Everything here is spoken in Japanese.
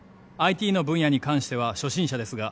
ＩＴの分野に関しては初心者ですが」